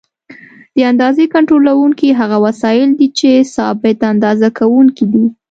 د اندازې کنټرولوونکي هغه وسایل دي چې ثابت اندازه کوونکي دي.